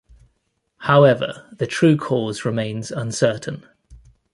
However the true cause remains uncertain.